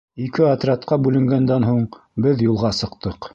Ике отрядҡа бүленгәндән һуң беҙ юлға сыҡтыҡ.